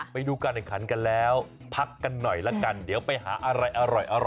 ไปดูการแข่งขันกันแล้วพักกันหน่อยละกันเดี๋ยวไปหาอะไรอร่อย